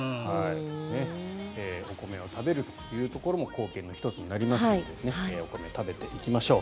お米を食べるというところも貢献の１つになりますのでお米を食べていきましょう。